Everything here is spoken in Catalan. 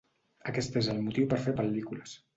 Aquest és el motiu per fer pel·lícules.